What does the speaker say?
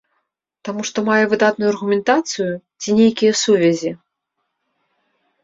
Таму што мае выдатную аргументацыю ці нейкія сувязі?